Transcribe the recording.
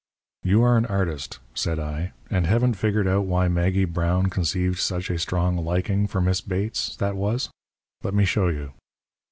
"You are an artist," said I, "and haven't figured out why Maggie Brown conceived such a strong liking for Miss Bates that was? Let me show you."